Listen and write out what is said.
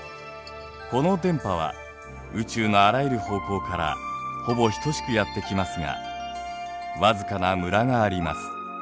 この電波は宇宙のあらゆる方向からほぼ等しくやって来ますがわずかなムラがあります。